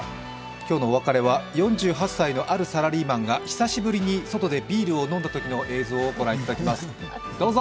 今日のお別れは４８歳のあるサラリーマンが久しぶりに外でビールを飲んだときの映像を御覧いただきます、どうぞ！